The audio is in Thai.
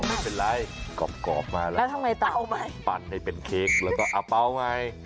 ไม่เป็นไรกรอบมาแล้วแล้วทำไมปั่นให้เป็นเค้กแล้วก็อาเป๋าไง